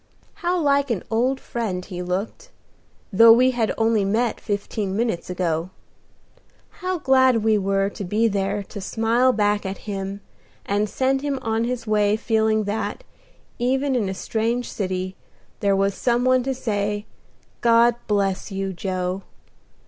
How like an old friend he looked, though we had only met fifteen minutes ago; how glad we were to be there to smile back at him, and send him on his way feeling that, even in a strange city, there was some one to say, "God bless you, Joe!"